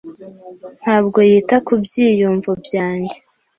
Ntabwo yita ku byiyumvo byanjye.